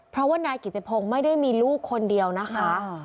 เพราะว่านายกิติพงศ์ไม่ได้มีลูกคนเดียวนะคะ